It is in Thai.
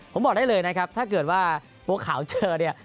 ผมบอกได้เลยนะครับถ้าเกิดว่าบัวขาวเจอเนี่ย